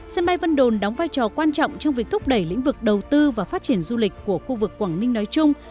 sân bay vân đồn đóng vai trò quan trọng trong việc thúc đẩy lĩnh vực đầu tư và phát triển du lịch của khu vực quảng ninh nói chung